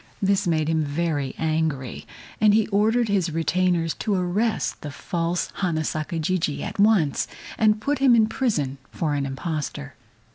This made him very angry, and he ordered his retainers to arrest the false Hana Saka Jijii at once and put him in prison for an impostor.